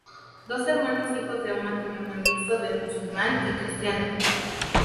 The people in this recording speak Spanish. Dos hermanos hijos de un matrimonio mixto de musulmán y cristiana.